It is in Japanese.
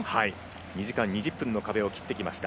２時間２０分の壁を切ってきました。